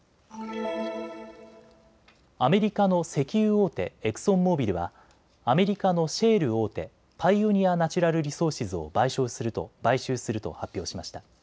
アメリカの石油大手、エクソンモービルはアメリカのシェール大手、パイオニア・ナチュラル・リソーシズを買収すると発表しました。